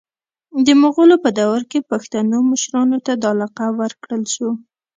د مغولو په دور کي پښتنو مشرانو ته دا لقب ورکړل سو